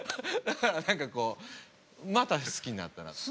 だから何かこうまた好きになったなと。